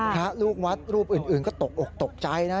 พระลูกวัดรูปอื่นก็ตกอกตกใจนะ